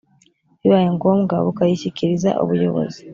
Bibaye ngombwa bukayishyikiriza ubuyobozi